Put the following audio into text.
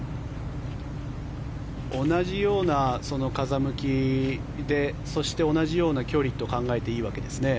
同じような風向きでそして同じような距離と考えていいわけですね